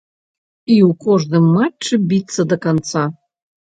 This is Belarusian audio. І ў кожным матчы біцца да канца.